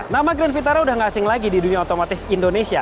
nama grand vitara udah gak asing lagi di dunia otomotif indonesia